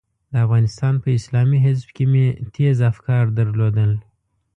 د افغانستان په اسلامي حزب کې مې تېز افکار درلودل.